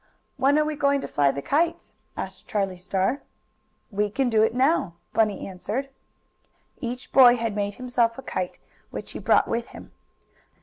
"When are we going to fly the kites?" asked Charlie Star. "We can do it now," Bunny answered. Each boy had made himself a kite, which he brought with him.